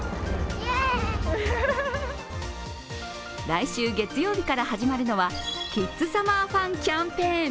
来週月曜日から始まるのはキッズサマーファン！